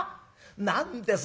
何です？